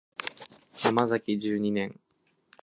ヤマザキ十二年